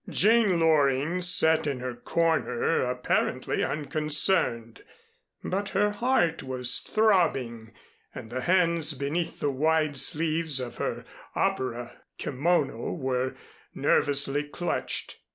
Jane Loring sat in her corner apparently unconcerned, but her heart was throbbing and the hands beneath the wide sleeves of her opera kimono were nervously clutched.